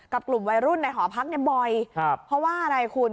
กลุ่มวัยรุ่นในหอพักเนี่ยบ่อยครับเพราะว่าอะไรคุณ